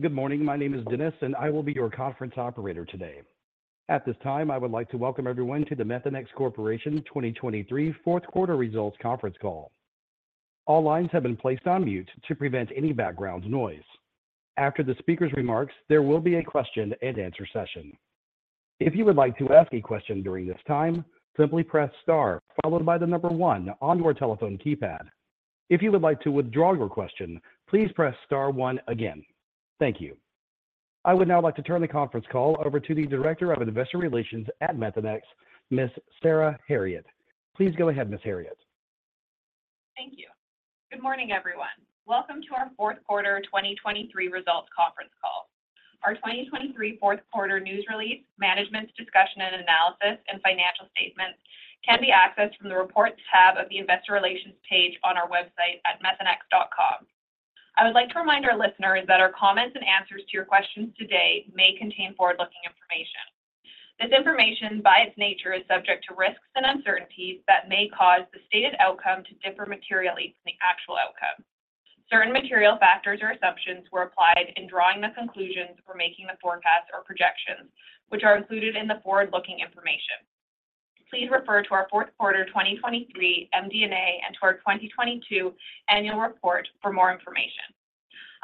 Good morning. My name is Dennis, and I will be your conference operator today. At this time, I would like to welcome everyone to the Methanex Corporation 2023 Fourth Quarter Results conference call. All lines have been placed on mute to prevent any background noise. After the speaker's remarks, there will be a question-and-answer session. If you would like to ask a question during this time, simply press star followed by the number one on your telephone keypad. If you would like to withdraw your question, please press star one again. Thank you. I would now like to turn the conference call over to the Director of Investor Relations at Methanex, Ms. Sarah Herriott. Please go ahead, Ms. Herriott. Thank you. Good morning, everyone. Welcome to our fourth quarter 2023 results conference call. Our 2023 fourth quarter news release, Management's Discussion and Analysis and financial statements can be accessed from the Reports tab of the Investor Relations page on our website at methanex.com. I would like to remind our listeners that our comments and answers to your questions today may contain forward-looking information. This information, by its nature, is subject to risks and uncertainties that may cause the stated outcome to differ materially from the actual outcome. Certain material factors or assumptions were applied in drawing the conclusions for making the forecasts or projections, which are included in the forward-looking information. Please refer to our fourth quarter 2023 MD&A and to our 2022 Annual Report for more information.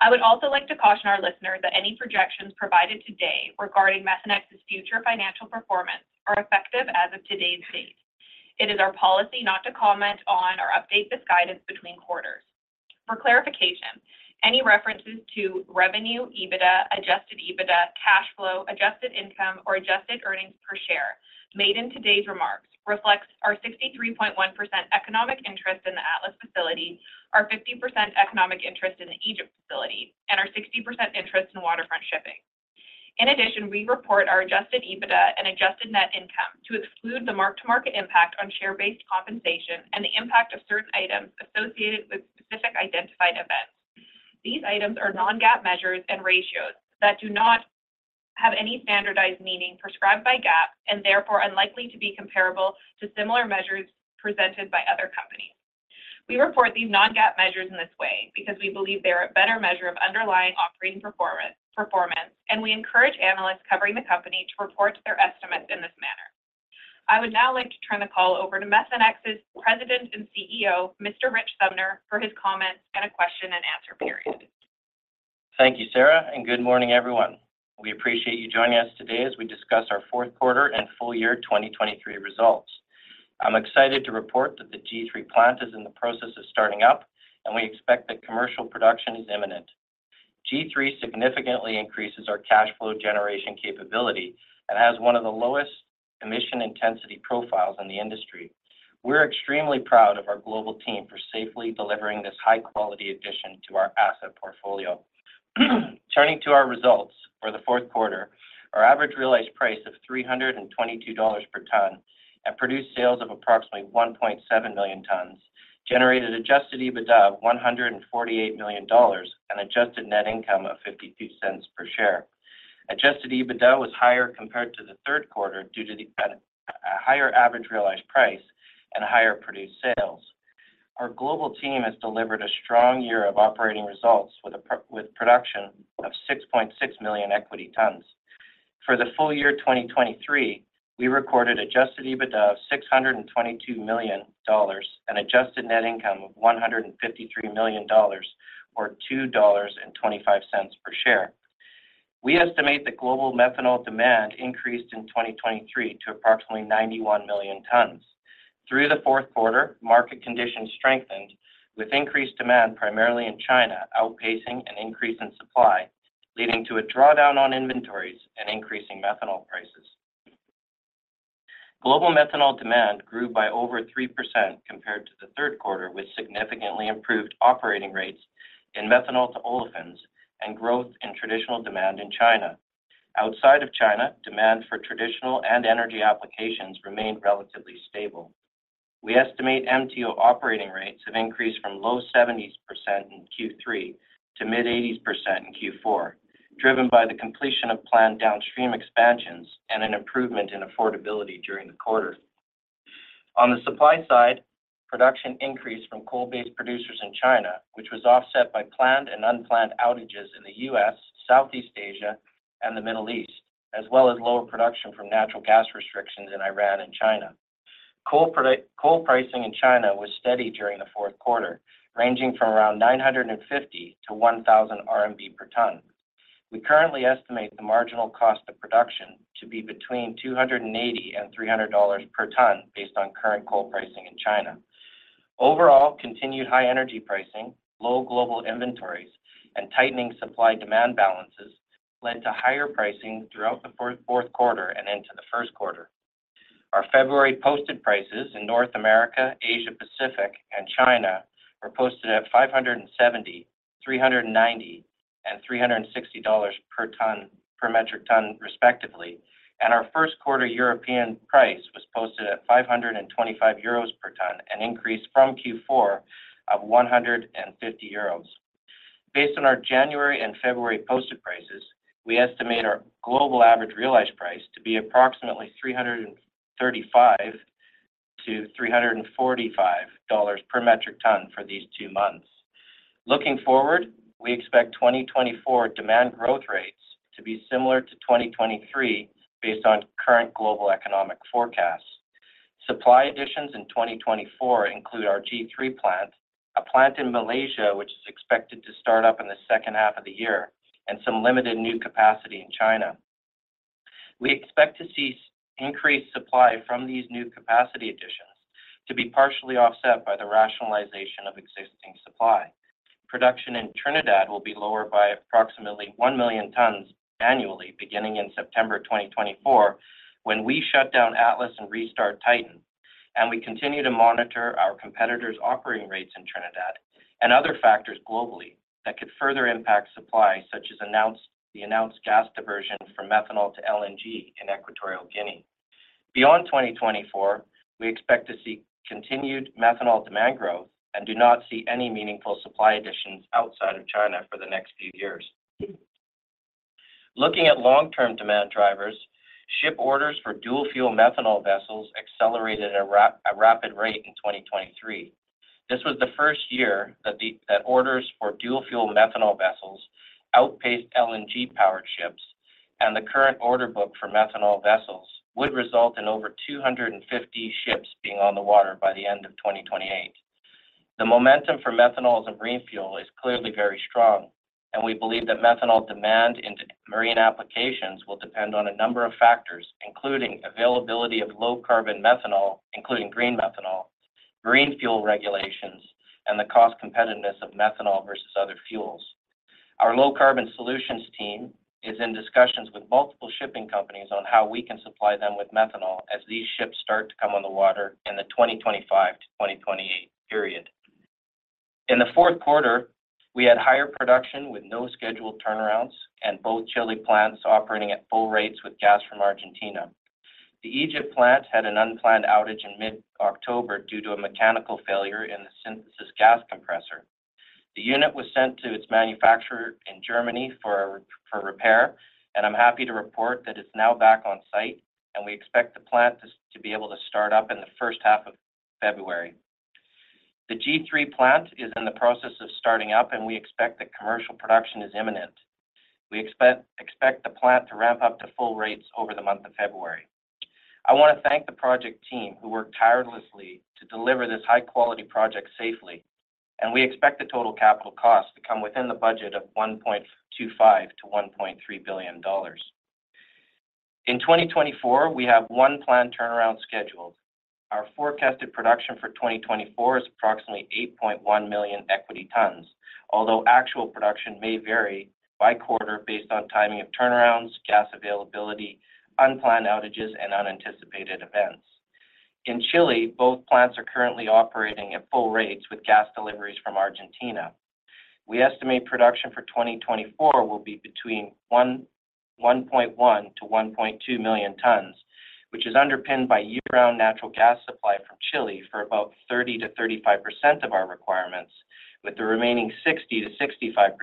I would also like to caution our listeners that any projections provided today regarding Methanex's future financial performance are effective as of today's date. It is our policy not to comment on or update this guidance between quarters. For clarification, any references to revenue, EBITDA, Adjusted EBITDA, cash flow, adjusted income, or adjusted earnings per share made in today's remarks reflects our 63.1% economic interest in the Atlas facility, our 50% economic interest in the Egypt facility, and our 60% interest in Waterfront Shipping. In addition, we report our Adjusted EBITDA and Adjusted Net Income to exclude the mark-to-market impact on share-based compensation and the impact of certain items associated with specific identified events. These items are non-GAAP measures and ratios that do not have any standardized meaning prescribed by GAAP, and therefore unlikely to be comparable to similar measures presented by other companies. We report these non-GAAP measures in this way because we believe they are a better measure of underlying operating performance, and we encourage analysts covering the company to report their estimates in this manner. I would now like to turn the call over to Methanex's President and CEO, Mr. Rich Sumner, for his comments and a question-and-answer period. Thank you, Sarah, and good morning, everyone. We appreciate you joining us today as we discuss our fourth quarter and full year 2023 results. I'm excited to report that the G3 plant is in the process of starting up, and we expect that commercial production is imminent. G3 significantly increases our cash flow generation capability and has one of the lowest emission intensity profiles in the industry. We're extremely proud of our global team for safely delivering this high-quality addition to our asset portfolio. Turning to our results for the fourth quarter, our average realized price of $322 per ton and produced sales of approximately 1.7 million tons, generated adjusted EBITDA of $148 million and adjusted net income of $0.52 per share. Adjusted EBITDA was higher compared to the third quarter due to the higher average realized price and higher produced sales. Our global team has delivered a strong year of operating results with production of 6.6 million equity tons. For the full year 2023, we recorded adjusted EBITDA of $622 million and adjusted net income of $153 million or $2.25 per share. We estimate that global methanol demand increased in 2023 to approximately 91 million tons. Through the fourth quarter, market conditions strengthened, with increased demand, primarily in China, outpacing an increase in supply, leading to a drawdown on inventories and increasing methanol prices. Global methanol demand grew by over 3% compared to the third quarter, with significantly improved operating rates in methanol to olefins and growth in traditional demand in China. Outside of China, demand for traditional and energy applications remained relatively stable. We estimate MTO operating rates have increased from low 70s in Q3 to mid-80s% in Q4, driven by the completion of planned downstream expansions and an improvement in affordability during the quarter. On the supply side, production increased from coal-based producers in China, which was offset by planned and unplanned outages in the U.S., Southeast Asia, and the Middle East, as well as lower production from natural gas restrictions in Iran and China. Coal pricing in China was steady during the fourth quarter, ranging from around 950-1,000 RMB per ton. We currently estimate the marginal cost of production to be between $280 and $300 per ton, based on current coal pricing in China. Overall, continued high energy pricing, low global inventories, and tightening supply-demand balances led to higher pricing throughout the fourth quarter and into the first quarter. Our February posted prices in North America, Asia Pacific, and China were posted at $570, $390, and $360 per ton, per metric ton, respectively, and our first quarter European price was posted at 525 euros per ton, an increase from Q4 of 150 euros. Based on our January and February posted prices, we estimate our global average realized price to be approximately $335-$345 per metric ton for these two months. Looking forward, we expect 2024 demand growth rates to be similar to 2023, based on current global economic forecasts. Supply additions in 2024 include our G3 plant, a plant in Malaysia, which is expected to start up in the second half of the year, and some limited new capacity in China. We expect to see increased supply from these new capacity additions to be partially offset by the rationalization of existing supply. Production in Trinidad will be lower by approximately 1 million tons annually, beginning in September 2024, when we shut down Atlas and restart Titan. We continue to monitor our competitors' operating rates in Trinidad and other factors globally that could further impact supply, such as the announced gas diversion from methanol to LNG in Equatorial Guinea. Beyond 2024, we expect to see continued methanol demand growth and do not see any meaningful supply additions outside of China for the next few years. Looking at long-term demand drivers, ship orders for dual-fuel methanol vessels accelerated at a rapid rate in 2023. This was the first year that orders for dual-fuel methanol vessels outpaced LNG-powered ships, and the current order book for methanol vessels would result in over 250 ships being on the water by the end of 2028. The momentum for methanol as a green fuel is clearly very strong, and we believe that methanol demand into marine applications will depend on a number of factors, including availability of low-carbon methanol, including green methanol, green fuel regulations, and the cost competitiveness of methanol versus other fuels. Our low-carbon solutions team is in discussions with multiple shipping companies on how we can supply them with methanol as these ships start to come on the water in the 2025-2028 period. In the fourth quarter, we had higher production with no scheduled turnarounds, and both Chile plants operating at full rates with gas from Argentina. The Egypt plant had an unplanned outage in mid-October due to a mechanical failure in the synthesis gas compressor. The unit was sent to its manufacturer in Germany for repair, and I'm happy to report that it's now back on site, and we expect the plant to be able to start up in the first half of February. The G3 plant is in the process of starting up, and we expect that commercial production is imminent. We expect the plant to ramp up to full rates over the month of February. I want to thank the project team, who worked tirelessly to deliver this high-quality project safely, and we expect the total capital cost to come within the budget of $1.25 billion-$1.3 billion. In 2024, we have one planned turnaround scheduled. Our forecasted production for 2024 is approximately 8.1 million equity tons, although actual production may vary by quarter based on timing of turnarounds, gas availability, unplanned outages, and unanticipated events. In Chile, both plants are currently operating at full rates with gas deliveries from Argentina. We estimate production for 2024 will be between 1.1-1.2 million tons, which is underpinned by year-round natural gas supply from Chile for about 30%-35% of our requirements, with the remaining 60%-65%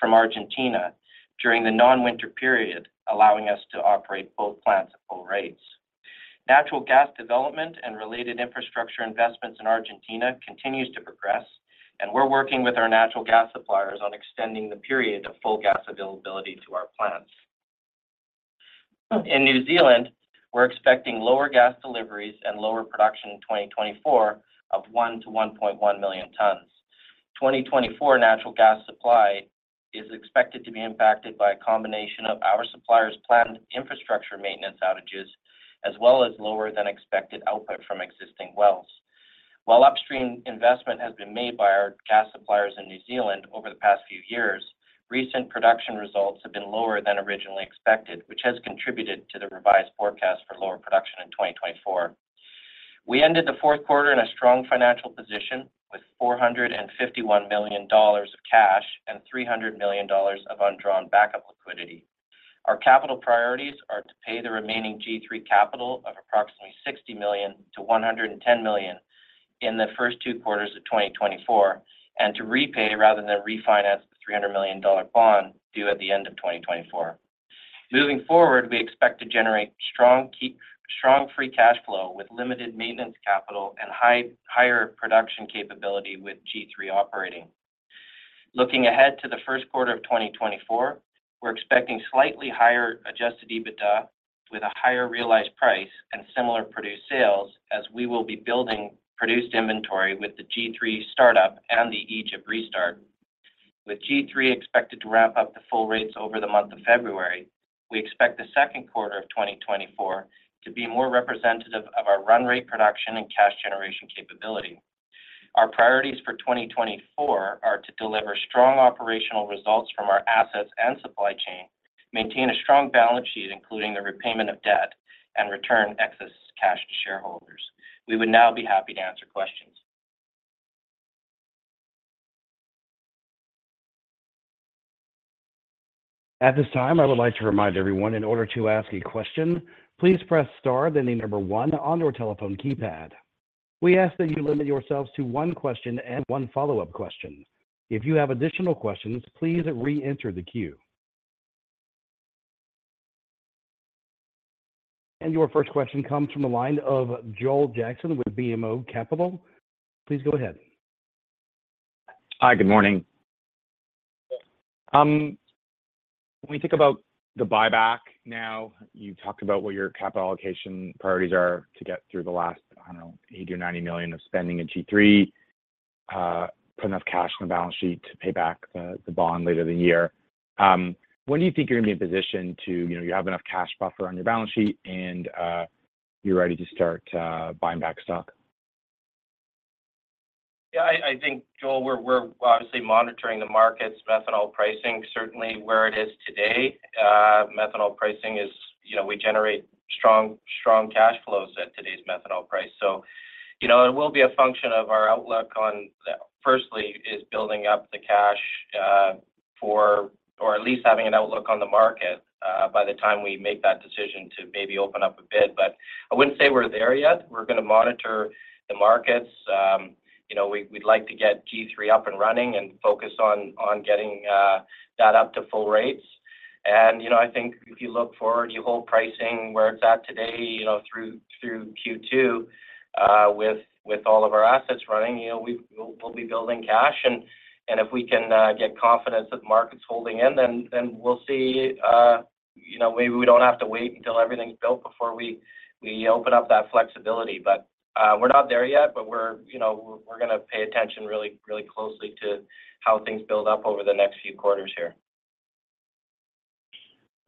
from Argentina during the non-winter period, allowing us to operate both plants at full rates. Natural gas development and related infrastructure investments in Argentina continues to progress, and we're working with our natural gas suppliers on extending the period of full gas availability to our plants. In New Zealand, we're expecting lower gas deliveries and lower production in 2024 of 1-1.1 million tons. 2024 natural gas supply is expected to be impacted by a combination of our suppliers' planned infrastructure maintenance outages, as well as lower-than-expected output from existing wells. While upstream investment has been made by our gas suppliers in New Zealand over the past few years, recent production results have been lower than originally expected, which has contributed to the revised forecast for lower production in 2024. We ended the fourth quarter in a strong financial position, with $451 million of cash and $300 million of undrawn backup liquidity. Our capital priorities are to pay the remaining G3 capital of approximately $60 million-$110 million in the first two quarters of 2024, and to repay rather than refinance the $300 million bond due at the end of 2024. Moving forward, we expect to generate strong free cash flow with limited maintenance capital and higher production capability with G3 operating. Looking ahead to the first quarter of 2024, we're expecting slightly higher Adjusted EBITDA, with a higher realized price and similar produced sales, as we will be building produced inventory with the G3 startup and the Egypt restart. With G3 expected to ramp up to full rates over the month of February, we expect the second quarter of 2024 to be more representative of our run rate production and cash generation capability. Our priorities for 2024 are to deliver strong operational results from our assets and supply chain, maintain a strong balance sheet, including the repayment of debt, and return excess cash to shareholders. We would now be happy to answer questions. At this time, I would like to remind everyone, in order to ask a question, please press star, then 1 on your telephone keypad. We ask that you limit yourselves to one question and one follow-up question. If you have additional questions, please reenter the queue. Your first question comes from the line of Joel Jackson with BMO Capital. Please go ahead. Hi, good morning. When you think about the buyback now, you talked about what your capital allocation priorities are to get through the last, I don't know, $80 million or $90 million of spending in G3, put enough cash on the balance sheet to pay back the bond later the year. When do you think you're gonna be in position to, you know, you have enough cash buffer on your balance sheet and, you're ready to start buying back stock? Yeah, I think, Joel, we're obviously monitoring the markets, methanol pricing, certainly where it is today. Methanol pricing is, you know, we generate strong cash flows at today's methanol price. So, you know, it will be a function of our outlook on, firstly, is building up the cash, for-- or at least having an outlook on the market, by the time we make that decision to maybe open up a bid. But I wouldn't say we're there yet. We're gonna monitor the markets. You know, we, we'd like to get G3 up and running and focus on getting that up to full rates. And, you know, I think if you look forward, you hold pricing where it's at today, you know, through Q2, with all of our assets running, you know, we'll be building cash. If we can get confidence that the market's holding in, then we'll see. You know, maybe we don't have to wait until everything's built before we open up that flexibility, but we're not there yet. But you know, we're gonna pay attention really, really closely to how things build up over the next few quarters here.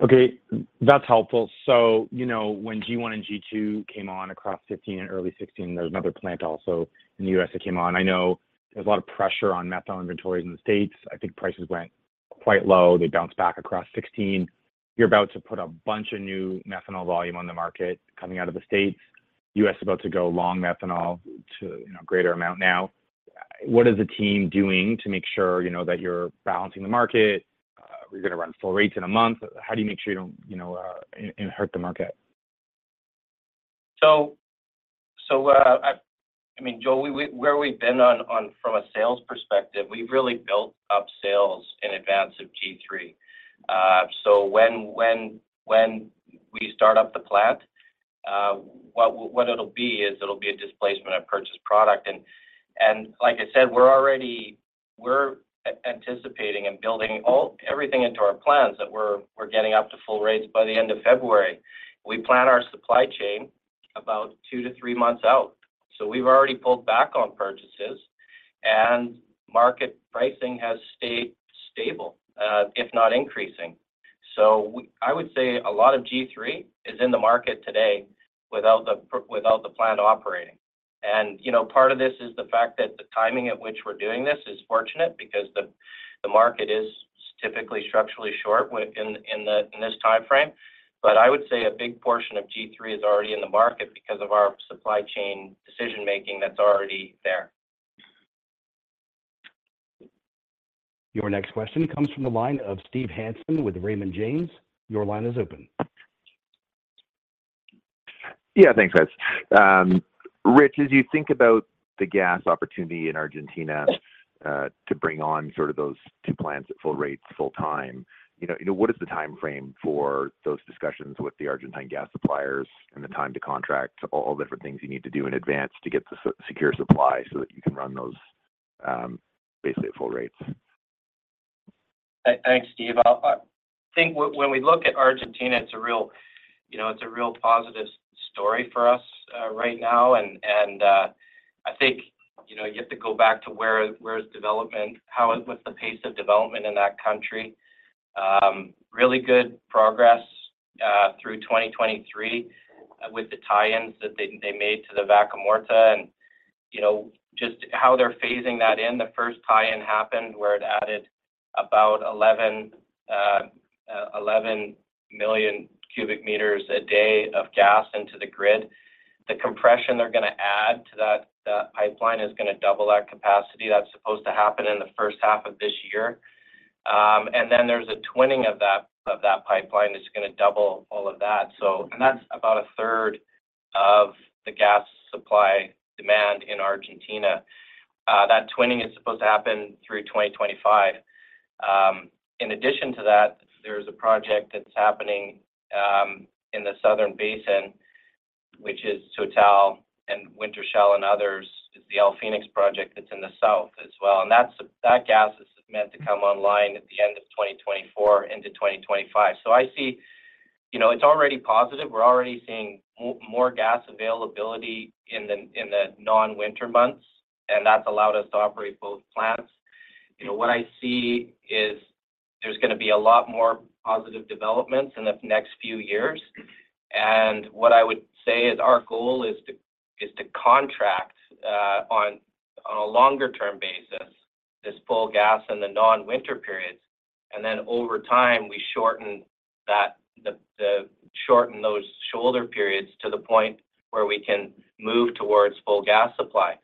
Okay, that's helpful. So, you know, when G1 and G2 came on across 2015 and early 2016, there was another plant also in the U.S. that came on. I know there's a lot of pressure on methanol inventories in the States. I think prices went quite low. They bounced back across 2016. You're about to put a bunch of new methanol volume on the market coming out of the States. U.S. is about to go long methanol to, you know, greater amount now. What is the team doing to make sure, you know, that you're balancing the market? Are you gonna run full rates in a month? How do you make sure you don't, you know, hurt the market? I mean, Joel, where we've been on from a sales perspective, we've really built up sales in advance of G3. So when we start up the plant, what it'll be is it'll be a displacement of purchased product. And like I said, we're already anticipating and building everything into our plans that we're getting up to full rates by the end of February. We plan our supply chain about two to three months out, so we've already pulled back on purchases, and market pricing has stayed stable, if not increasing. I would say a lot of G3 is in the market today without the plant operating. You know, part of this is the fact that the timing at which we're doing this is fortunate because the market is typically structurally short within this time frame. But I would say a big portion of G3 is already in the market because of our supply chain decision making that's already there. Your next question comes from the line of Steve Hansen with Raymond James. Your line is open. Yeah, thanks, guys. Rich, as you think about the gas opportunity in Argentina, to bring on sort of those two plants at full rates, full time, you know, what is the time frame for those discussions with the Argentine gas suppliers and the time to contract all the different things you need to do in advance to get the secure supply so that you can run those, basically at full rates? Thanks, Steve. I think when we look at Argentina, it's a real, you know, it's a real positive story for us right now. And I think, you know, you have to go back to where is development, how is what's the pace of development in that country? Really good progress through 2023 with the tie-ins that they made to the Vaca Muerta and, you know, just how they're phasing that in. The first tie-in happened where it added about 11 million cubic meters a day of gas into the grid. The compression they're gonna add to that pipeline is gonna double that capacity. That's supposed to happen in the first half of this year. And then there's a twinning of that pipeline that's gonna double all of that. So... That's about a third of the gas supply demand in Argentina. That twinning is supposed to happen through 2025. In addition to that, there's a project that's happening in the Southern Basin, which is Total and Wintershall and others. It's the El Fenix project that's in the south as well, and that's, that gas is meant to come online at the end of 2024 into 2025. So I see, you know, it's already positive. We're already seeing more gas availability in the, in the non-winter months, and that's allowed us to operate both plants. You know, what I see is there's gonna be a lot more positive developments in the next few years. What I would say is our goal is to contract on a longer-term basis this full gas in the non-winter periods, and then over time we shorten those shoulder periods to the point where we can move towards full gas supply.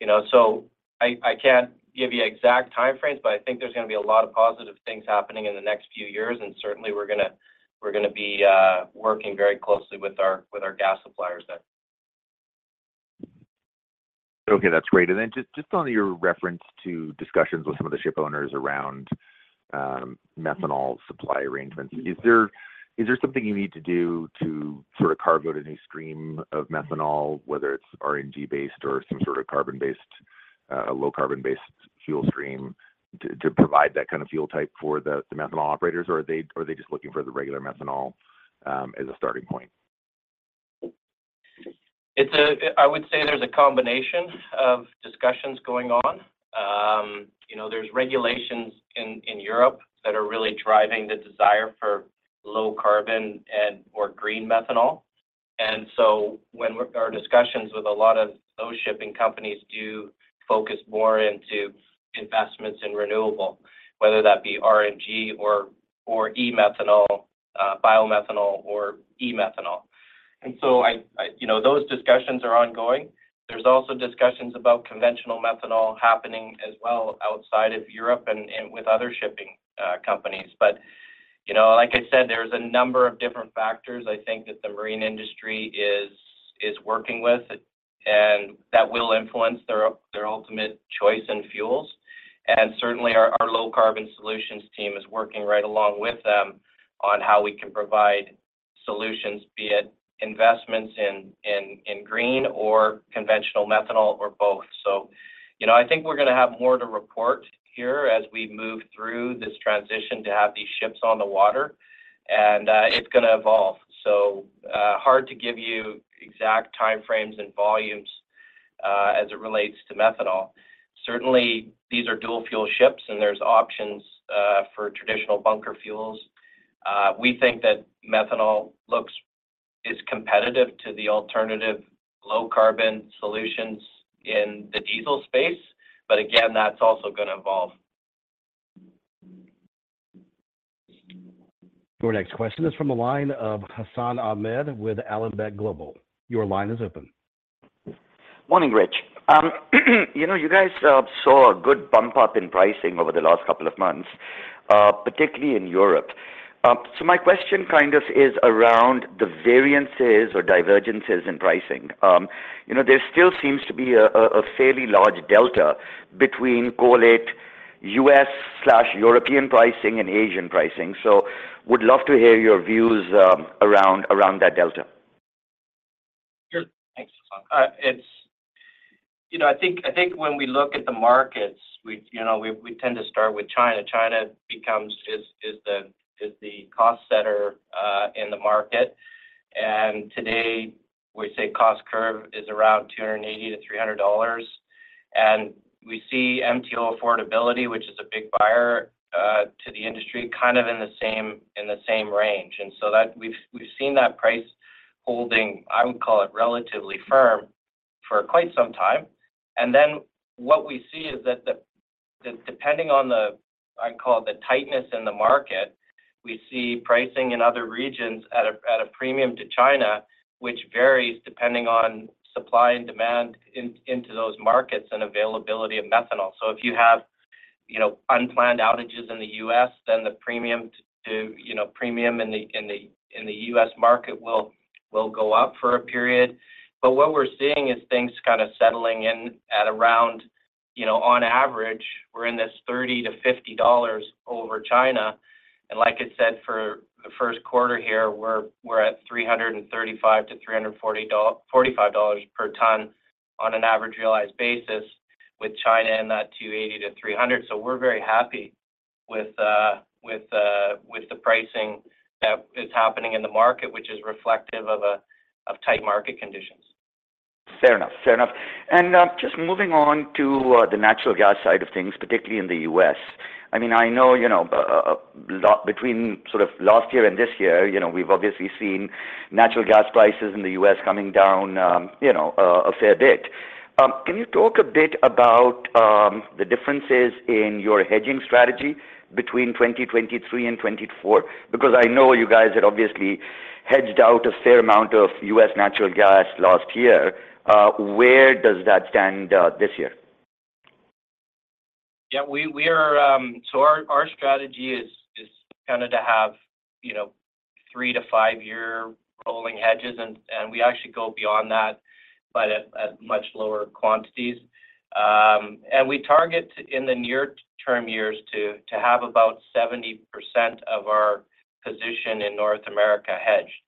You know, so I can't give you exact time frames, but I think there's gonna be a lot of positive things happening in the next few years, and certainly we're gonna be working very closely with our gas suppliers then. Okay, that's great. And then just, just on your reference to discussions with some of the shipowners around, methanol supply arrangements, is there, is there something you need to do to sort of carve out a new stream of methanol, whether it's RNG based or some sort of carbon-based, low carbon-based fuel stream, to, to provide that kind of fuel type for the, the methanol operators? Or are they, are they just looking for the regular methanol, as a starting point? I would say there's a combination of discussions going on. You know, there's regulations in Europe that are really driving the desire for low-carbon and/or green methanol. And so our discussions with a lot of those shipping companies do focus more into investments in renewable, whether that be RNG or E-methanol, biomethanol or E-methanol. You know, those discussions are ongoing. There's also discussions about conventional methanol happening as well outside of Europe and with other shipping companies. But, you know, like I said, there's a number of different factors I think that the marine industry is working with, and that will influence their ultimate choice in fuels. Certainly, our low carbon solutions team is working right along with them on how we can provide solutions, be it investments in green or conventional methanol, or both. So, you know, I think we're gonna have more to report here as we move through this transition to have these ships on the water, and it's gonna evolve. So, hard to give you exact time frames and volumes as it relates to methanol. Certainly, these are dual fuel ships, and there's options for traditional bunker fuels. We think that methanol looks is competitive to the alternative low-carbon solutions in the diesel space. But again, that's also gonna evolve. Your next question is from the line of Hassan Ahmed with Alembic Global. Your line is open. Morning, Rich. You know, you guys saw a good bump up in pricing over the last couple of months, particularly in Europe. So my question kind of is around the variances or divergences in pricing. You know, there still seems to be a fairly large delta between, call it, U.S./European pricing and Asian pricing. So would love to hear your views around that delta. Sure. Thanks, Hassan. It's you know, I think, I think when we look at the markets, we, you know, we, we tend to start with China. China becomes, is, is the, is the cost setter in the market. And today, we say cost curve is around $280-$300. And we see MTO affordability, which is a big buyer to the industry, kind of in the same, in the same range. And so that we've, we've seen that price holding, I would call it, relatively firm for quite some time. And then what we see is that the, the, depending on the, I'd call it, the tightness in the market, we see pricing in other regions at a, at a premium to China, which varies depending on supply and demand into those markets and availability of methanol. So if you have, you know, unplanned outages in the US, then the premium to, you know, premium in the US market will go up for a period. But what we're seeing is things kind of settling in at around, you know, on average, we're in this $30-$50 over China. And like I said, for the first quarter here, we're at $335-$345 per ton on an average realized basis, with China in that 280-300. So we're very happy with the pricing that is happening in the market, which is reflective of tight market conditions. Fair enough. Fair enough. And, just moving on to, the natural gas side of things, particularly in the U.S. I mean, I know, you know, between sort of last year and this year, you know, we've obviously seen natural gas prices in the U.S. coming down, you know, a fair bit. Can you talk a bit about, the differences in your hedging strategy between 2023 and 2024? Because I know you guys had obviously hedged out a fair amount of U.S. natural gas last year. Where does that stand, this year? Yeah, we are. So our strategy is kinda to have, you know, three to five year rolling hedges, and we actually go beyond that, but at much lower quantities. And we target in the near-term years to have about 70% of our position in North America hedged.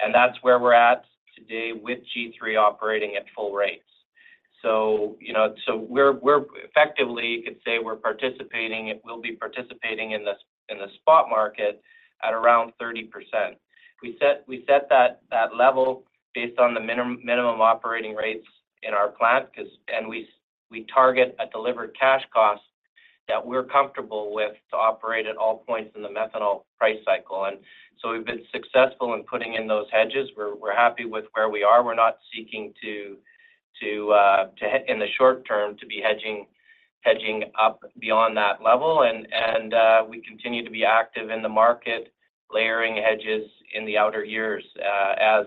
And that's where we're at today with G3 operating at full rates. So, you know, so we're effectively, you could say we're participating, we'll be participating in the spot market at around 30%. We set that level based on the minimum operating rates in our plant, 'cause and we target a delivered cash cost that we're comfortable with to operate at all points in the methanol price cycle. And so we've been successful in putting in those hedges. We're happy with where we are. We're not seeking to hedge in the short term to be hedging up beyond that level, and we continue to be active in the market, layering hedges in the outer years as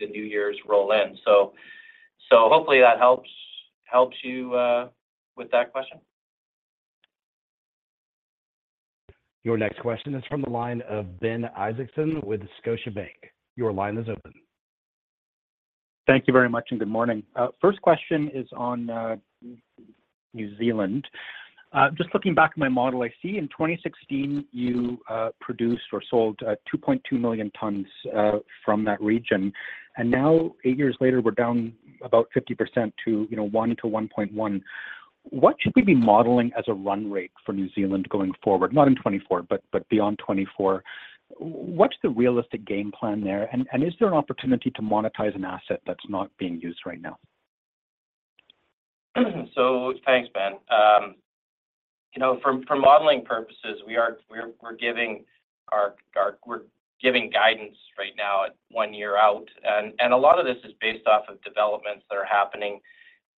the new years roll in. So hopefully that helps you with that question. Your next question is from the line of Ben Isaacson with Scotiabank. Your line is open. Thank you very much, and good morning. First question is on New Zealand. Just looking back at my model, I see in 2016, you produced or sold 2.2 million tons from that region. And now, eight years later, we're down about 50% to, you know, one-1.1. What should we be modeling as a run rate for New Zealand going forward? Not in 2024, but beyond 2024. What's the realistic game plan there? And is there an opportunity to monetize an asset that's not being used right now? So thanks, Ben. You know, for modeling purposes, we're giving guidance right now at one year out, and a lot of this is based off of developments that are happening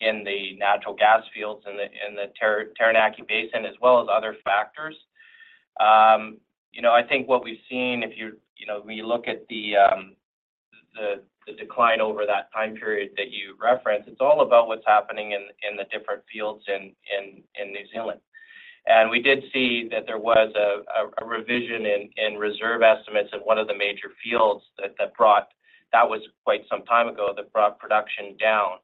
in the natural gas fields in the Taranaki Basin, as well as other factors. You know, I think what we've seen, if you know, we look at the decline over that time period that you referenced, it's all about what's happening in the different fields in New Zealand. And we did see that there was a revision in reserve estimates at one of the major fields that brought... That was quite some time ago, that brought production down.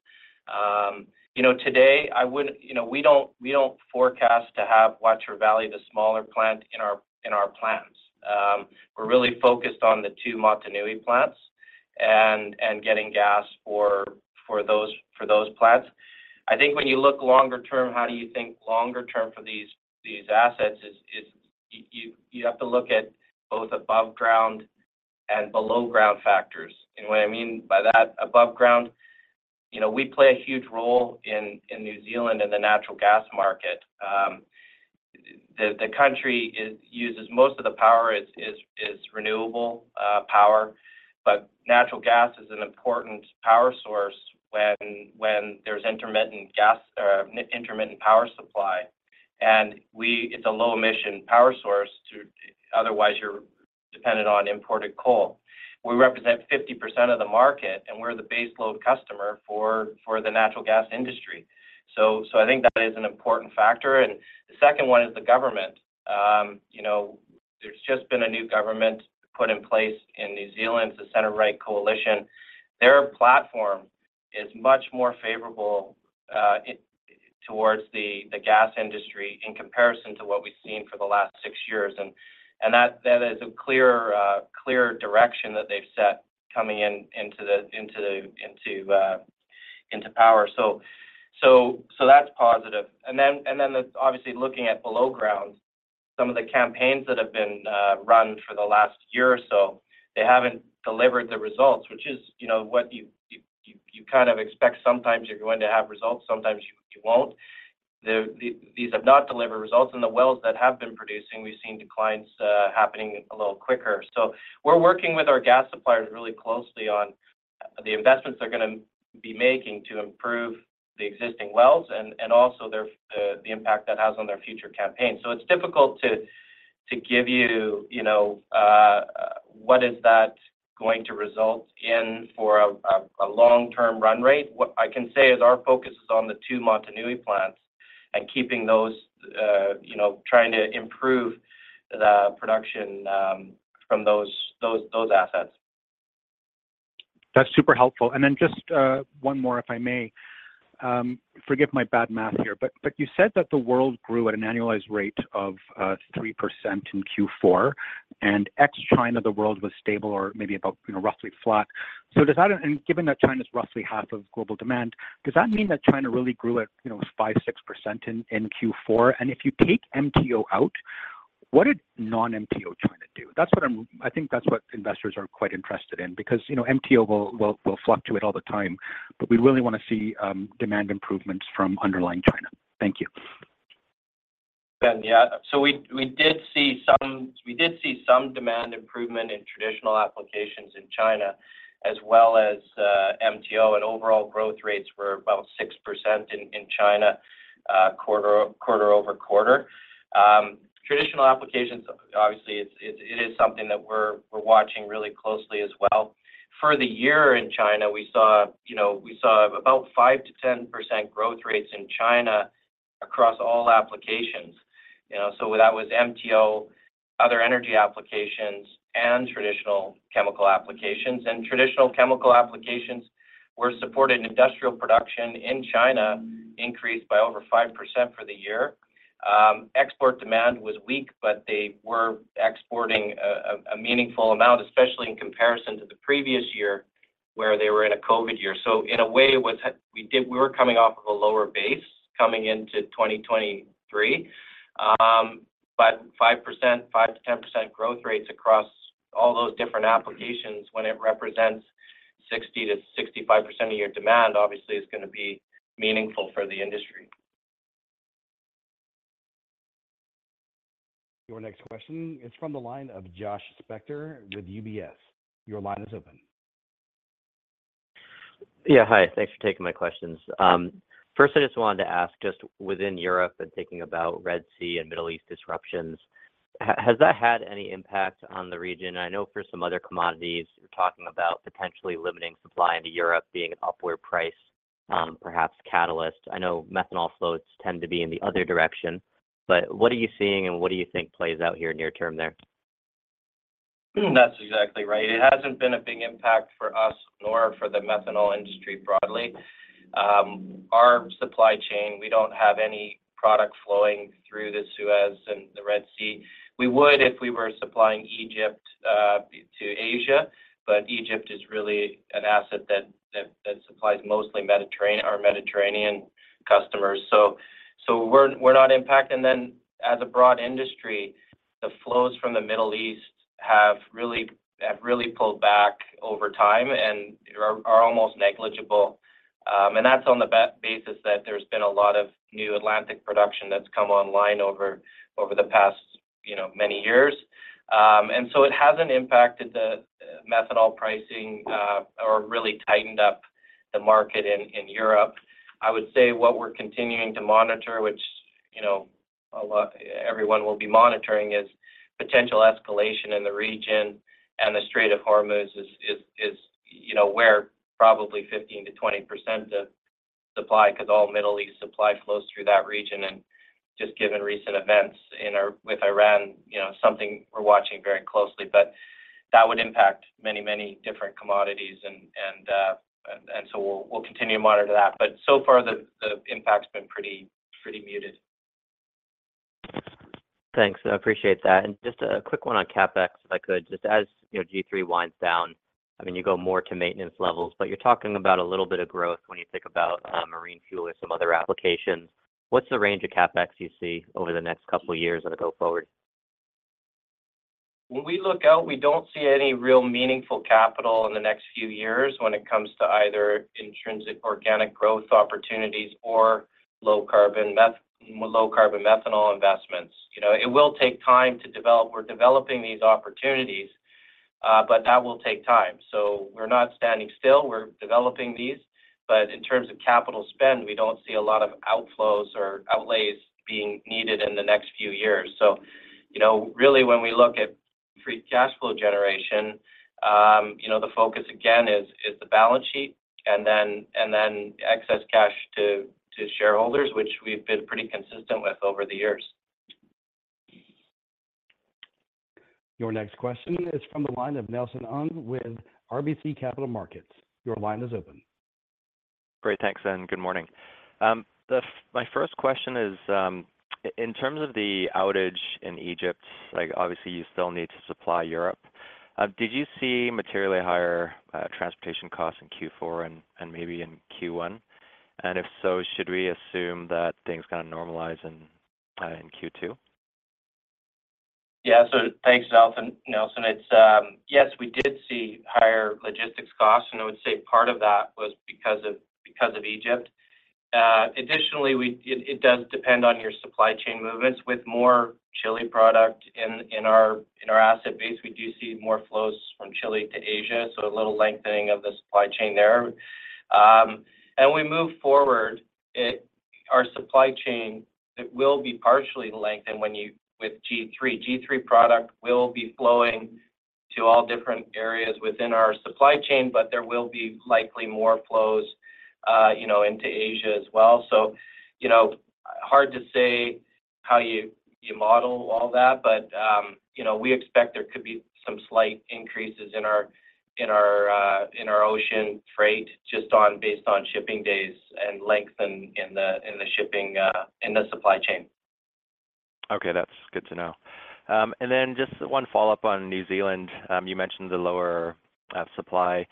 You know, today, I wouldn't- you know, we don't, we don't forecast to have Waitara Valley, the smaller plant, in our, in our plans. We're really focused on the two Motunui plants and, and getting gas for, for those, for those plants. I think when you look longer term, how do you think longer term for these, these assets is, is you, you have to look at both above ground and below ground factors. And what I mean by that, above ground, you know, we play a huge role in, in New Zealand, in the natural gas market. The, the country, it uses most of the power, is, is, is renewable, power, but natural gas is an important power source when, when there's intermittent gas, intermittent power supply, and it's a low-emission power source to... Otherwise, you're dependent on imported coal. We represent 50% of the market, and we're the baseload customer for the natural gas industry. So I think that is an important factor, and the second one is the government. You know, there's just been a new government put in place in New Zealand, the center-right coalition. Their platform is much more favorable towards the gas industry in comparison to what we've seen for the last six years. And that is a clear direction that they've set coming into power. So that's positive. And then obviously, looking at below ground, some of the campaigns that have been run for the last year or so, they haven't delivered the results, which is, you know, what you kind of expect. Sometimes you're going to have results, sometimes you won't. These have not delivered results, and the wells that have been producing, we've seen declines happening a little quicker. So we're working with our gas suppliers really closely on the investments they're gonna be making to improve the existing wells and also their impact that has on their future campaigns. So it's difficult to give you, you know, what is that going to result in for a long-term run rate? What I can say is our focus is on the two Motunui plants and keeping those, you know, trying to improve the production from those assets. That's super helpful, and then just one more, if I may. Forgive my bad math here, but you said that the world grew at an annualized rate of 3% in Q4, and ex-China, the world was stable or maybe about, you know, roughly flat. So does that... And given that China is roughly half of global demand, does that mean that China really grew at, you know, 5%-6% in Q4? And if you take MTO out, what did non-MTO China do? That's what I think that's what investors are quite interested in, because, you know, MTO will fluctuate all the time, but we really want to see demand improvements from underlying China. Thank you. Ben, yeah. So we did see some demand improvement in traditional applications in China, as well as MTO, and overall growth rates were about 6% in China quarter-over-quarter. Traditional applications, obviously, it's something that we're watching really closely as well. For the year in China, we saw, you know, we saw about 5%-10% growth rates in China across all applications. You know, so that was MTO, other energy applications, and traditional chemical applications. And traditional chemical applications were supported, and industrial production in China increased by over 5% for the year. Export demand was weak, but they were exporting a meaningful amount, especially in comparison to the previous year, where they were in a COVID year. So in a way, it was, we were coming off of a lower base coming into 2023. But 5%, 5%-10% growth rates across all those different applications, when it represents 60%-65% of your demand, obviously is gonna be meaningful for the industry. ... Your next question is from the line of Josh Spector with UBS. Your line is open. Yeah. Hi, thanks for taking my questions. First, I just wanted to ask, just within Europe and thinking about Red Sea and Middle East disruptions, has that had any impact on the region? I know for some other commodities, you're talking about potentially limiting supply into Europe being an upward price, perhaps catalyst. I know methanol floats tend to be in the other direction, but what are you seeing, and what do you think plays out here near term there? That's exactly right. It hasn't been a big impact for us, nor for the methanol industry broadly. Our supply chain, we don't have any product flowing through the Suez and the Red Sea. We would if we were supplying Egypt to Asia, but Egypt is really an asset that supplies mostly Mediterranean, our Mediterranean customers. So we're not impacted. And then, as a broad industry, the flows from the Middle East have really pulled back over time and are almost negligible. And that's on the basis that there's been a lot of new Atlantic production that's come online over the past, you know, many years. And so it hasn't impacted the methanol pricing or really tightened up the market in Europe. I would say what we're continuing to monitor, which, you know, a lot—everyone will be monitoring, is potential escalation in the region, and the Strait of Hormuz is, you know, where probably 15%-20% of supply, 'cause all Middle East supply flows through that region. And just given recent events with Iran, you know, something we're watching very closely, but that would impact many, many different commodities. And so we'll continue to monitor that, but so far, the impact's been pretty muted. Thanks. I appreciate that. Just a quick one on CapEx, if I could. Just as, you know, G3 winds down, I mean, you go more to maintenance levels, but you're talking about a little bit of growth when you think about, marine fuel or some other applications. What's the range of CapEx you see over the next couple of years as I go forward? When we look out, we don't see any real meaningful capital in the next few years when it comes to either intrinsic organic growth opportunities or low-carbon meth- low-carbon methanol investments. You know, it will take time to develop. We're developing these opportunities, but that will take time. We're not standing still. We're developing these, but in terms of capital spend, we don't see a lot of outflows or outlays being needed in the next few years. You know, really, when we look at free cash flow generation, you know, the focus again is, is the balance sheet, and then, and then excess cash to, to shareholders, which we've been pretty consistent with over the years. Your next question is from the line of Nelson Ng with RBC Capital Markets. Your line is open. Great, thanks, and good morning. My first question is, in terms of the outage in Egypt, like, obviously, you still need to supply Europe. Did you see materially higher transportation costs in Q4 and maybe in Q1? And if so, should we assume that things kinda normalize in Q2? Yeah. So thanks, Nelson. Nelson, it's yes, we did see higher logistics costs, and I would say part of that was because of Egypt. Additionally, it does depend on your supply chain movements. With more Chile product in our asset base, we do see more flows from Chile to Asia, so a little lengthening of the supply chain there. As we move forward, our supply chain will be partially lengthened with G3. G3 product will be flowing to all different areas within our supply chain, but there will be likely more flows, you know, into Asia as well. So, you know, hard to say how you model all that, but, you know, we expect there could be some slight increases in our ocean freight, just based on shipping days and length in the shipping supply chain. Okay. That's good to know. And then just one follow-up on New Zealand. You mentioned the lower supply.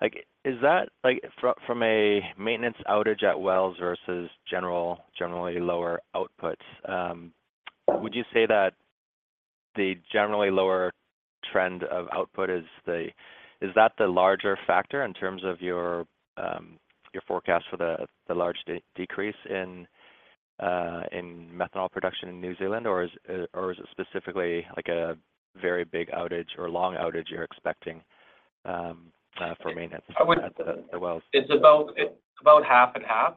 Like, is that, like, from a maintenance outage at wells versus generally lower outputs? Would you say that the generally lower trend of output is that the larger factor in terms of your forecast for the large decrease in methanol production in New Zealand, or is it specifically, like, a very big outage or long outage you're expecting for maintenance- I would- at the wells? It's about, it's about half and half,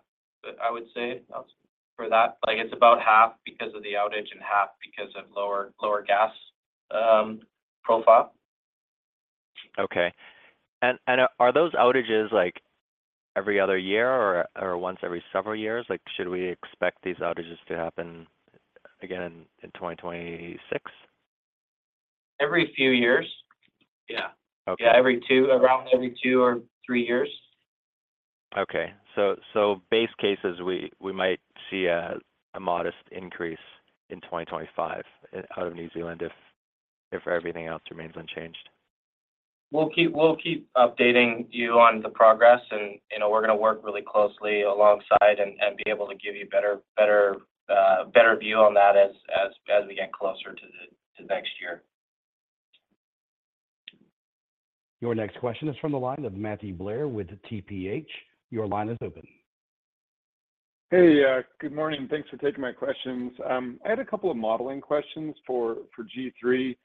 I would say, Nelson, for that. Like, it's about half because of the outage and half because of lower, lower gas profile. Okay. And are those outages, like, every other year or once every several years? Like, should we expect these outages to happen again in 2026? Every few years. Yeah. Okay. Yeah, every two, around every two or three years. Okay. So base cases, we might see a modest increase in 2025 out of New Zealand if everything else remains unchanged? We'll keep updating you on the progress, and, you know, we're gonna work really closely alongside and be able to give you a better view on that as we get closer to next year. ... Your next question is from the line of Matthew Blair with TPH. Your line is open. Hey, good morning. Thanks for taking my questions. I had a couple of modeling questions for G3.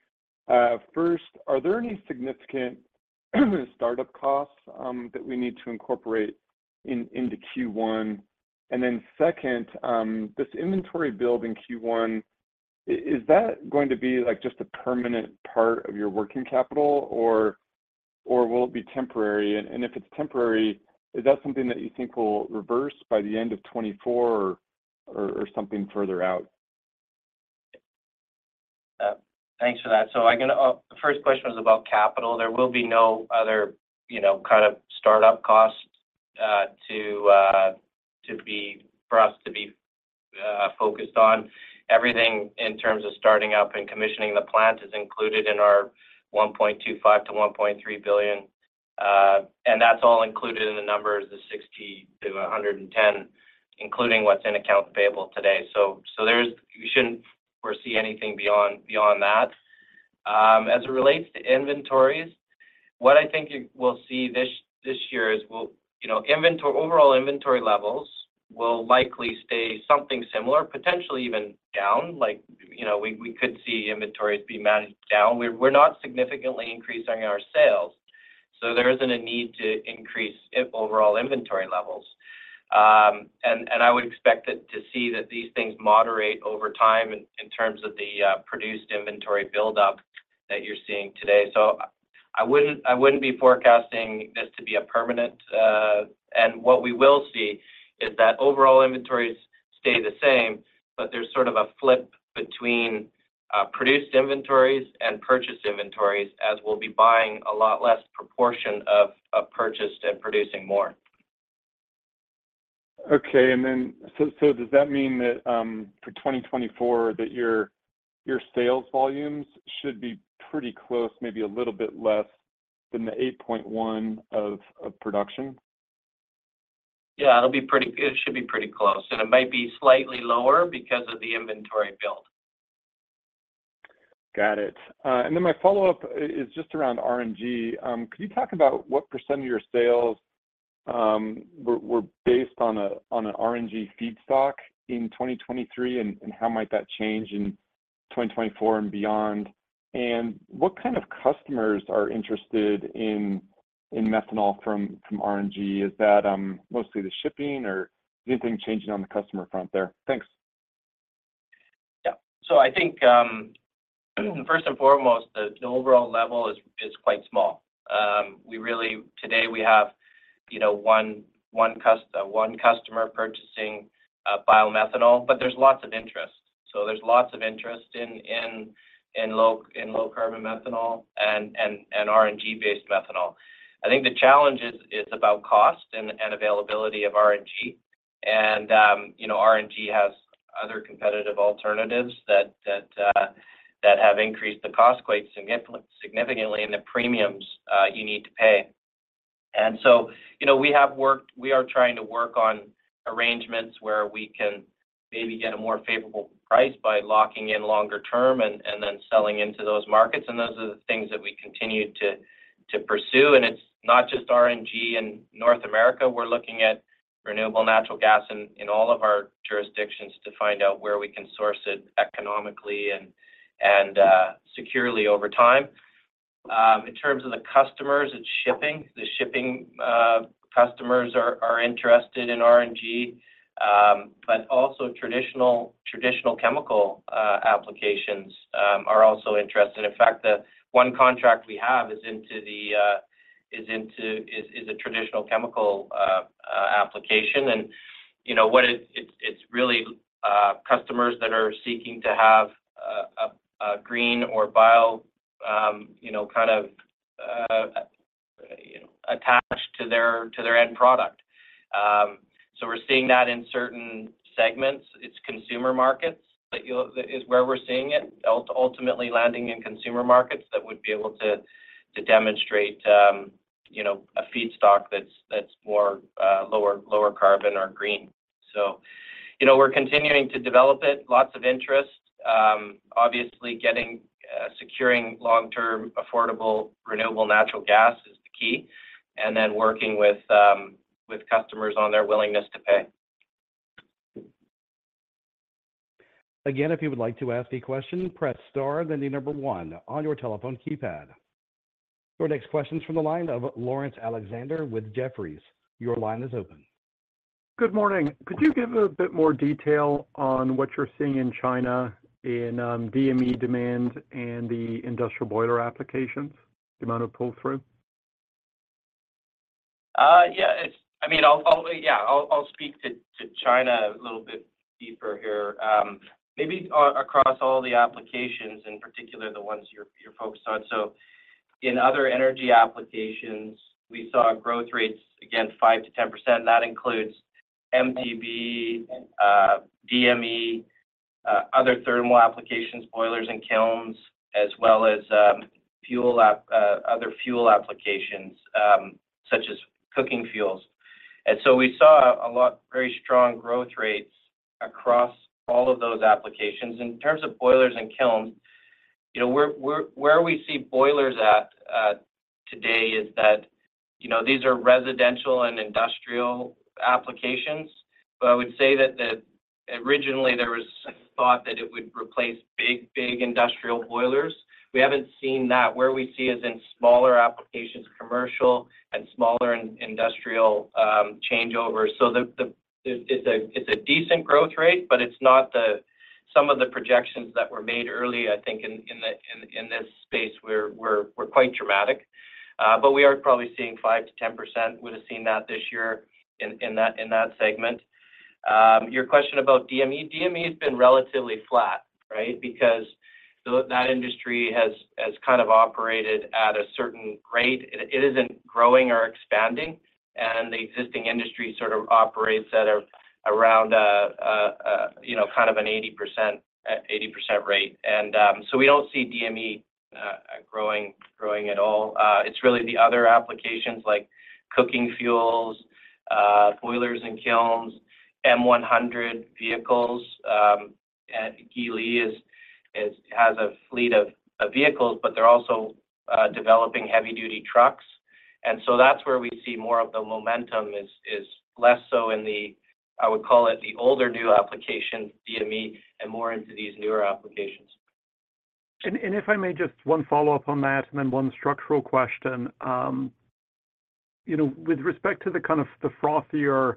First, are there any significant startup costs that we need to incorporate into Q1? And then second, this inventory build in Q1, is that going to be, like, just a permanent part of your working capital, or, or, will it be temporary? And, and if it's temporary, is that something that you think will reverse by the end of 2024 or, or, or something further out? Thanks for that. So I'm gonna. The first question was about capital. There will be no other, you know, kind of startup costs for us to be focused on. Everything in terms of starting up and commissioning the plant is included in our $1.25-$1.3 billion. And that's all included in the numbers, the $60-$110, including what's in accounts payable today. So there's. We shouldn't foresee anything beyond that. As it relates to inventories, what I think you will see this year is we'll, you know, inventory overall inventory levels will likely stay something similar, potentially even down. Like, you know, we could see inventories be managed down. We're not significantly increasing our sales, so there isn't a need to increase overall inventory levels. And, and I would expect it to see that these things moderate over time in, in terms of the produced inventory buildup that you're seeing today. So I wouldn't, I wouldn't be forecasting this to be a permanent. And what we will see is that overall inventories stay the same, but there's sort of a flip between produced inventories and purchased inventories, as we'll be buying a lot less proportion of, of purchased and producing more. Okay. And then so, does that mean that, for 2024, that your sales volumes should be pretty close, maybe a little bit less than the 8.1 of production? Yeah, it'll be pretty good. It should be pretty close, and it might be slightly lower because of the inventory build. Got it. And then my follow-up is just around RNG. Could you talk about what percentage of your sales were based on an RNG feedstock in 2023, and how might that change in 2024 and beyond? And what kind of customers are interested in methanol from RNG? Is that mostly the shipping or anything changing on the customer front there? Thanks. Yeah. So I think first and foremost, the overall level is quite small. We really today we have, you know, one customer purchasing biomethanol, but there's lots of interest. So there's lots of interest in low-carbon methanol and RNG-based methanol. I think the challenge is about cost and availability of RNG. And you know, RNG has other competitive alternatives that have increased the cost quite significantly in the premiums you need to pay. And so, you know, we have worked... We are trying to work on arrangements where we can maybe get a more favorable price by locking in longer term and then selling into those markets, and those are the things that we continue to pursue. And it's not just RNG in North America. We're looking at renewable natural gas in all of our jurisdictions to find out where we can source it economically and securely over time. In terms of the customers and shipping, the shipping customers are interested in RNG. But also traditional chemical applications are also interested. In fact, the one contract we have is into a traditional chemical application. And, you know, it's really customers that are seeking to have a green or bio, you know, kind of, you know, attached to their end product. So we're seeing that in certain segments. It's consumer markets that is where we're seeing it, ultimately landing in consumer markets that would be able to demonstrate, you know, a feedstock that's more lower carbon or green. So, you know, we're continuing to develop it. Lots of interest. Obviously, securing long-term, affordable, renewable natural gas is the key, and then working with customers on their willingness to pay. Again, if you would like to ask a question, press star, then the number one on your telephone keypad. Your next question is from the line of Lawrence Alexander with Jefferies. Your line is open. Good morning. Could you give a bit more detail on what you're seeing in China, in DME demand and the industrial boiler applications, the amount of pull-through? Yeah, I mean, I'll speak to China a little bit deeper here. Maybe across all the applications, in particular, the ones you're focused on. So in other energy applications, we saw growth rates, again, 5%-10%. That includes MTBE, DME, other thermal applications, boilers and kilns, as well as other fuel applications, such as cooking fuels. And so we saw a lot, very strong growth rates across all of those applications. In terms of boilers and kilns, you know, where we see boilers at today is that, you know, these are residential and industrial applications. But I would say that originally there was a thought that it would replace big industrial boilers. We haven't seen that. Where we see is in smaller applications, commercial and smaller industrial changeovers. So it's a decent growth rate, but it's not some of the projections that were made early, I think, in this space were quite dramatic. But we are probably seeing 5%-10% would have seen that this year in that segment. Your question about DME. DME has been relatively flat, right? Because that industry has kind of operated at a certain rate. It isn't growing or expanding, and the existing industry sort of operates at around, you know, kind of an 80% rate. And so we don't see DME growing at all. It's really the other applications like cooking fuels, boilers and kilns, M100 vehicles, and Geely has a fleet of vehicles, but they're also developing heavy duty trucks. And so that's where we see more of the momentum, less so in the, I would call it, the older new applications, DME, and more into these newer applications. If I may, just one follow-up on that and then one structural question. You know, with respect to the kind of the frothier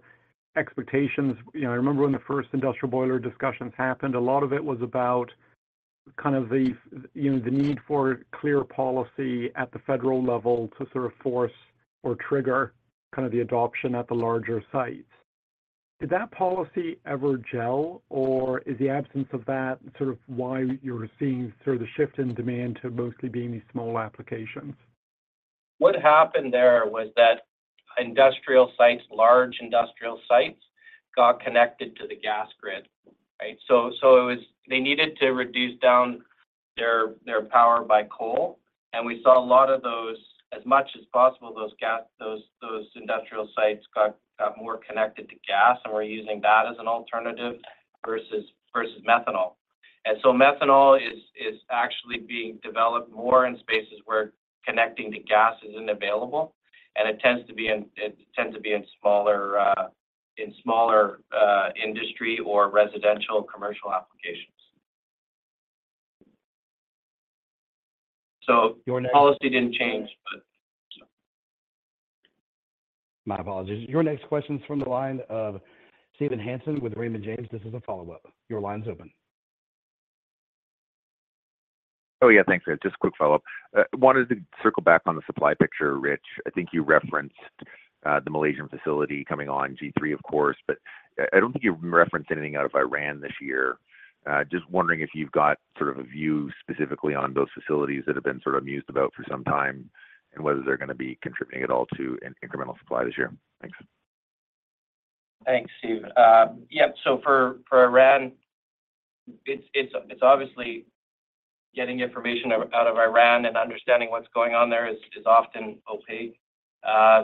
expectations, you know, I remember when the first industrial boiler discussions happened, a lot of it was about kind of the, you know, the need for clear policy at the federal level to sort of force or trigger kind of the adoption at the larger sites. Did that policy ever gel, or is the absence of that sort of why you're seeing sort of the shift in demand to mostly being these small applications? What happened there was that industrial sites, large industrial sites, got connected to the gas grid, right? So it was. They needed to reduce down their power by coal, and we saw a lot of those, as much as possible, those industrial sites got more connected to gas, and were using that as an alternative versus methanol. And so methanol is actually being developed more in spaces where connecting to gas isn't available, and it tends to be in smaller industry or residential commercial applications. So your policy didn't change, but- My apologies. Your next question is from the line of Steve Hansen with Raymond James. This is a follow-up. Your line's open. Oh, yeah, thanks. Just a quick follow-up. Wanted to circle back on the supply picture, Rich. I think you referenced the Malaysian facility coming on G3, of course, but I, I don't think you referenced anything out of Iran this year. Just wondering if you've got sort of a view specifically on those facilities that have been sort of mused about for some time and whether they're gonna be contributing at all to an incremental supply this year. Thanks. Thanks, Steve. Yeah, so for Iran, it's obviously getting information out of Iran and understanding what's going on there is often opaque.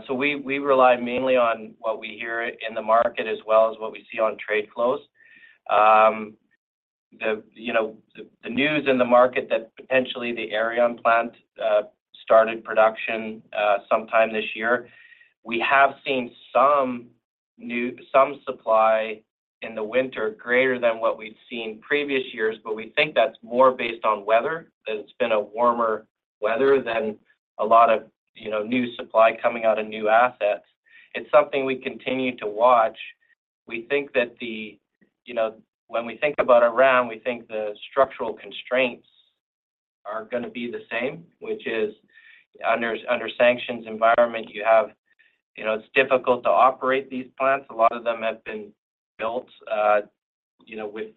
So we rely mainly on what we hear in the market as well as what we see on trade close. You know, the news in the market that potentially the Arian plant started production sometime this year. We have seen some supply in the winter, greater than what we've seen in previous years, but we think that's more based on weather, as it's been a warmer weather than a lot of, you know, new supply coming out of new assets. It's something we continue to watch. We think that the... You know, when we think about Iran, we think the structural constraints are gonna be the same, which is under sanctions environment, you have, you know, it's difficult to operate these plants. A lot of them have been built, you know, with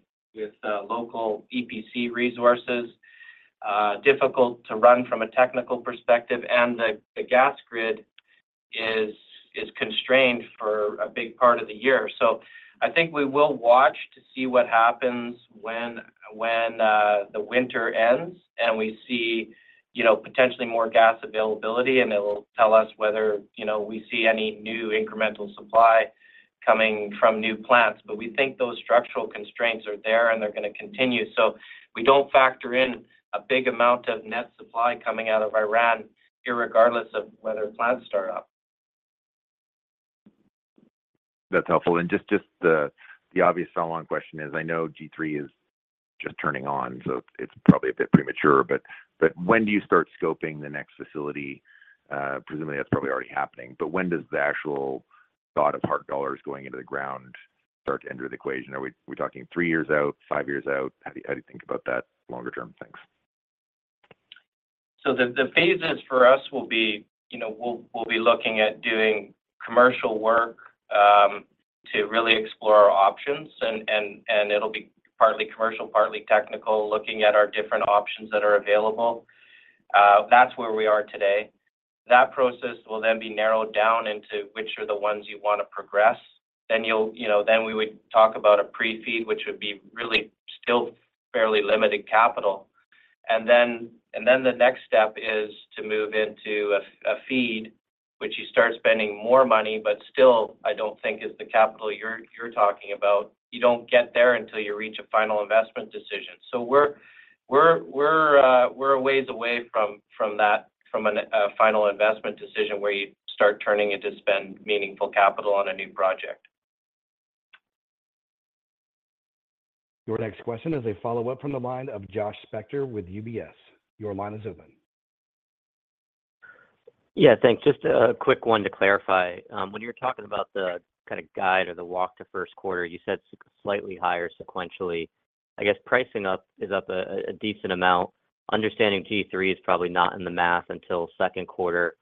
local EPC resources. Difficult to run from a technical perspective, and the gas grid is constrained for a big part of the year. So I think we will watch to see what happens when the winter ends, and we see, you know, potentially more gas availability, and it will tell us whether, you know, we see any new incremental supply coming from new plants. But we think those structural constraints are there, and they're gonna continue. So we don't factor in a big amount of net supply coming out of Iran, irregardless of whether plants start up. That's helpful. Just the obvious follow-on question is, I know G3 is just turning on, so it's probably a bit premature, but when do you start scoping the next facility? Presumably that's probably already happening, but when does the actual thought of hard dollars going into the ground start to enter the equation? Are we talking three years out, five years out? How do you think about that longer term? Thanks. So the phases for us will be, you know, we'll be looking at doing commercial work to really explore our options, and it'll be partly commercial, partly technical, looking at our different options that are available. That's where we are today. That process will then be narrowed down into which are the ones you want to progress. Then you'll, you know, we would talk about a pre-FEED, which would be really still fairly limited capital. And then the next step is to move into a FEED, which you start spending more money, but still, I don't think is the capital you're talking about. You don't get there until you reach a final investment decision. So we're a ways away from that, a final investment decision where you start turning it to spend meaningful capital on a new project. Your next question is a follow-up from the line of Josh Spector with UBS. Your line is open. Yeah, thanks. Just a quick one to clarify. When you're talking about the kind of guide or the walk to first quarter, you said slightly higher sequentially. I guess pricing up is up a decent amount. Understanding G3 is probably not in the math until second quarter,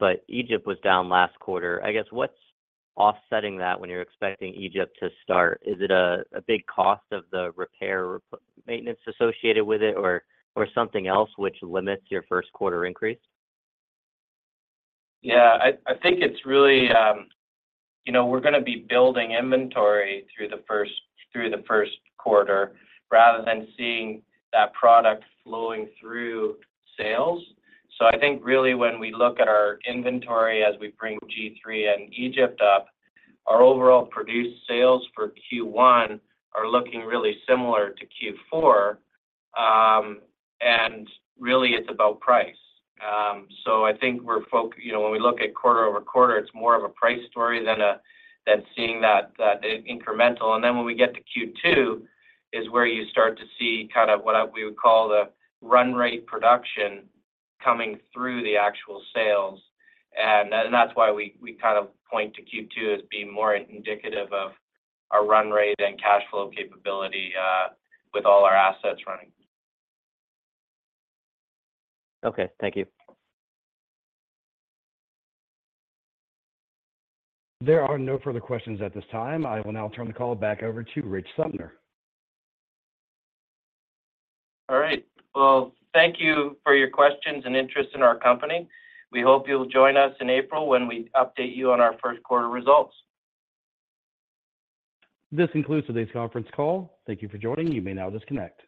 but Egypt was down last quarter. I guess, what's offsetting that when you're expecting Egypt to start? Is it a big cost of the repair, maintenance associated with it, or something else which limits your first quarter increase? Yeah, I think it's really. You know, we're gonna be building inventory through the first quarter, rather than seeing that product flowing through sales. So I think really when we look at our inventory as we bring G3 and Egypt up, our overall produced sales for Q1 are looking really similar to Q4, and really it's about price. So I think we're, you know, when we look at quarter-over-quarter, it's more of a price story than a, than seeing that, that incremental. And then when we get to Q2, is where you start to see kind of what we would call the run rate production coming through the actual sales. And that's why we kind of point to Q2 as being more indicative of our run rate and cash flow capability, with all our assets running. Okay. Thank you. There are no further questions at this time. I will now turn the call back over to Rich Sumner. All right. Well, thank you for your questions and interest in our company. We hope you'll join us in April when we update you on our first quarter results. This concludes today's conference call. Thank you for joining. You may now disconnect.